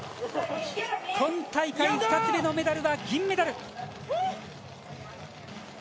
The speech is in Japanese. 今大会、２つ目のメダルは銀メダル！